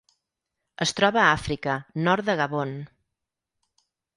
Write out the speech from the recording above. Es troba a Àfrica: nord de Gabon.